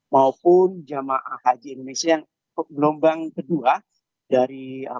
maupun jemaah haji indonesia yang gelombang kedua dari